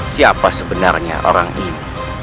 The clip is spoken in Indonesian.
siapa sebenarnya orang ini